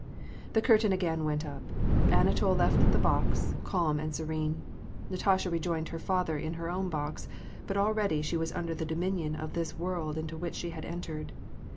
The curtain again went up. Anatol left the box, calm and serene. Natasha rejoined her father in her own box, but already she was under the dominion of this world into which she had entered.